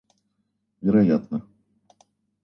Вероятно